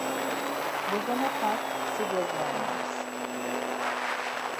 Bozomotak si gobgarinams.